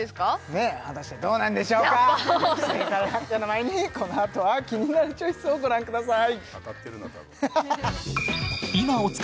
ねぇ果たしてどうなんでしょうか正解発表の前にこのあとは「キニナルチョイス」をご覧ください